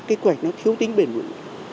cái quy hoạch nó thiếu tính bền bụi